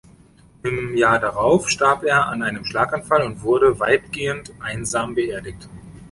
Im Jahr darauf starb er an einem Schlaganfall und wurde weitgehend einsam beerdigt.